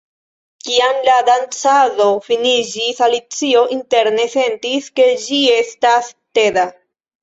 Kiam la dancado finiĝis, Alicio interne sentis ke ĝi estas teda.